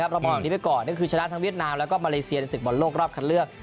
เรามองแบบนี้ไปก่อนก็คือชนะทั้งเวียดนามแล้วก็มาเลเซียในศึกบอลโลกรอบคันเลือก